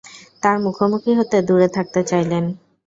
তার মুখোমুখি হতে দূরে থাকতে চাইলেন।